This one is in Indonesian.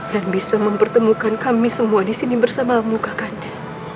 dan bisa mempertemukan kami semua disini bersamamu kakanda